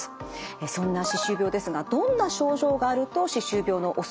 そんな歯周病ですがどんな症状があると歯周病のおそれがあるのか。